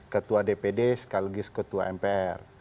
ketua dpd sekaligus ketua mpr